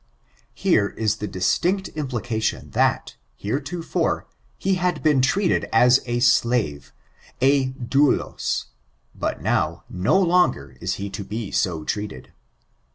Here is the distinct implication that, heretofore, he had been treated as a slave— ^ doulas ^Amt now, no longer is he to be so treated.